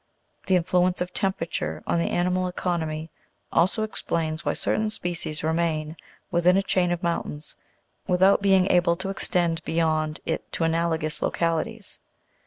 The influence of temperature, on the animal economy, also explains why certain species remain within a chain of mountains, without being able to extend beyond it to analogous localities.